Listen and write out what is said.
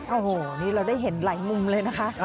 โอ้โหนี่เราได้เห็นหลายมุมเลยนะคะ